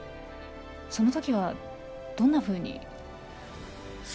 そのときはどんなふうに。